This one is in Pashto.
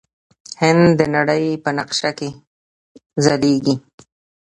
هند د نړۍ په نقشه کې ځلیږي.